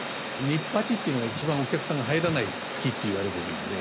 ニッパチっていうのが一番お客さんが入らない月って言われてるんで。